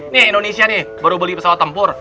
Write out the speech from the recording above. nih indonesia nih baru beli pesawat tempur